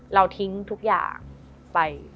เราทิ้งทุกอย่างไป